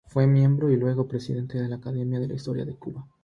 Fue miembro y luego presidente de la Academia de la Historia de Cuba.